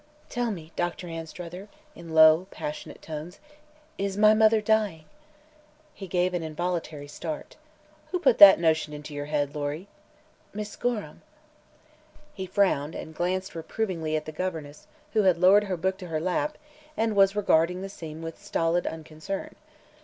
"Tell me, Doctor Anstruther," in low, passionate tones, "is my mother dying?" He gave an involuntary start. "Who put that notion into your head, Lory?" "Miss Gorham." He frowned and glanced reprovingly at the governess, who had lowered her book to her lap and was regarding the scene with stolid unconcern.